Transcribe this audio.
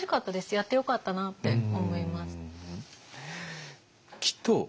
やってよかったなって思います。